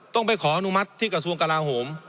ต้องไปขออนุมัติที่กระทรวงกลาโหม